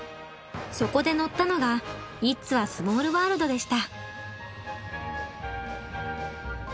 そこで乗ったのがイッツ・ア・スモールワールドでした。